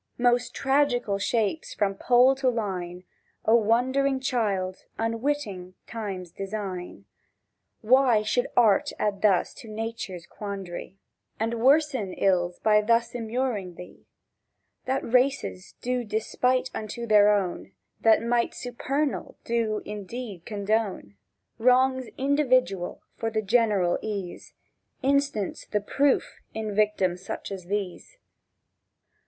— Most tragical of shapes from Pole to Line, O wondering child, unwitting Time's design, Why should Art add to Nature's quandary, And worsen ill by thus immuring thee? —That races do despite unto their own, That Might supernal do indeed condone Wrongs individual for the general ease, Instance the proof in victims such as these.